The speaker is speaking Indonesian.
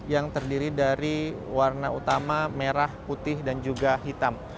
yang terdiri dari warna utama merah putih dan juga hitam